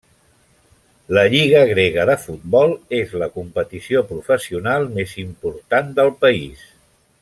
La lliga grega de futbol és la competició professional més important del país.